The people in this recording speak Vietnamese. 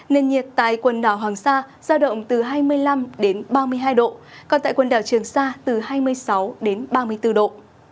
nền nhiệt tại quần đảo hoàng sa giao động từ hai mươi năm đến ba mươi hai độ còn tại quần đảo trường sa từ hai mươi sáu đến ba mươi bốn độ